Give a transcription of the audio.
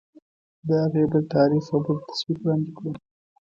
د هغې بل تعریف او بل تصویر وړاندې کړو.